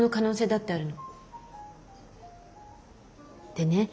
でね